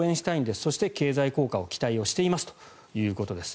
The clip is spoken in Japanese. そして、経済効果を期待していますということです。